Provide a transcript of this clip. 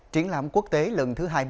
triển lãm quốc tế lần thứ hai mươi